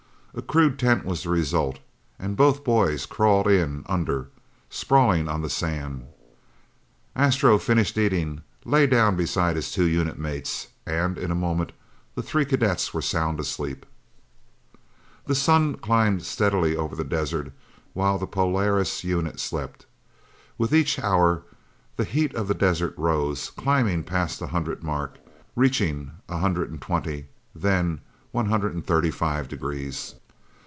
A crude tent was the result and both boys crawled in under, sprawling on the sand. Astro finished eating, lay down beside his two unit mates, and in a moment the three cadets were sound asleep. The sun climbed steadily over the desert while the Polaris unit slept. With each hour, the heat of the desert rose, climbing past the hundred mark, reaching one hundred and twenty, then one hundred and thirty five degrees.